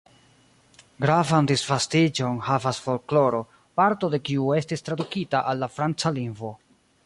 Gravan disvastiĝon havas folkloro, parto de kiu estis tradukita al la franca lingvo.